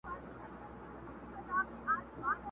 بوډا کیسې په دې قلا کي د وختونو کوي؛